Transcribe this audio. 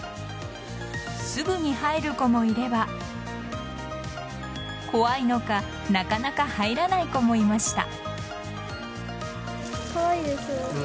すぐに入る子もいれば怖いのかなかなか入らない子もいました。